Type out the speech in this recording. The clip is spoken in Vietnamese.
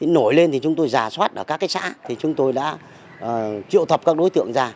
nổi lên chúng tôi giả soát ở các xã chúng tôi đã triệu thập các đối tượng ra